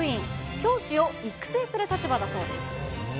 教師を育成する立場だそうです。